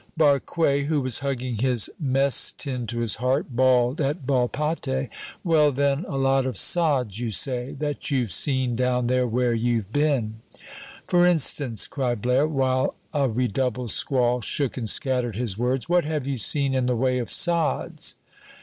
Barque, who was hugging his mess tin to his heart, bawled at Volpatte: "Well then, a lot of sods, you say, that you've seen down there where you've been?" "For instance?" cried Blaire, while a redoubled squall shook and scattered his words; "what have you seen in the way of sods?"